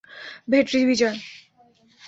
Vettri - Bijoy.